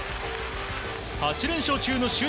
８連勝中の首位